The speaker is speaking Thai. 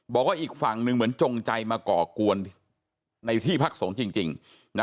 บอกว่าอีกฝั่งหนึ่งเหมือนจงใจมาก่อกวนในที่พักสงฆ์จริงนะ